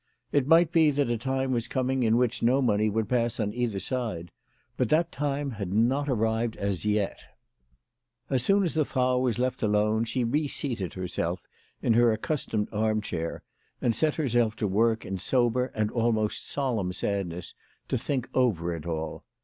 It might be that a time was coming in which no money would pass on either side, but that time had not arrived as yet. As soon as the Frau was left alone, she re seated herself in her accustomed arm chair, and set her self to work in sober and almost solemn sadness to think over it all.